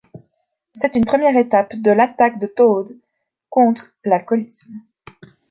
C'est une première étape de l'attaque de Todd contre l'alcoolisme.